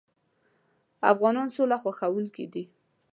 افغانان سوله خوښوونکي دي.